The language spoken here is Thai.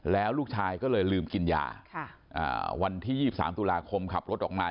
แล้วลูกชายก็เลยลืมกินยาวันที่๒๓ตุลาคมขับรถออกมา